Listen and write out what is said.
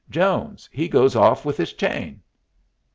_ Jones, he goes off with his chain.